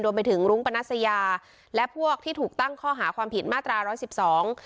ไปถึงรุ้งปนัสยาและพวกที่ถูกตั้งข้อหาความผิดมาตราร้อยสิบสอง